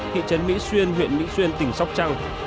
thị trấn mỹ xuyên huyện mỹ xuyên tỉnh sóc trăng